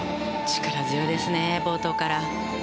力強いですね、冒頭から。